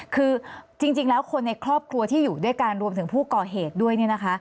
คือจริงแล้วคนในครอบครัวที่อยู่ด้วยกันรวมถึงผู้ก่อเหตุด้วยเนี่ยนะคะ